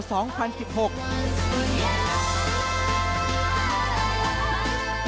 โปรตูเกจครองค่วยยูโร๒๐๑๖